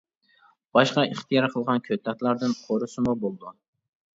باشقا ئىختىيار قىلغان كۆكتاتلاردىن قورۇسىمۇ بولىدۇ.